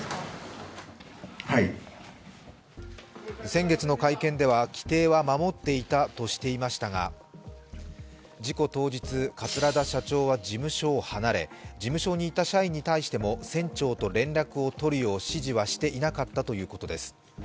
先月の会見は規定は守っていたとしていましたが、事故当日、桂田社長は事務所を離れ事務所にいた社員に対しても船長と連絡を取るよう指示はしていなかったということです。